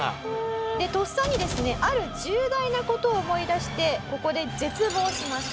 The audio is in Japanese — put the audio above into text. でとっさにですねある重大な事を思い出してここで絶望します。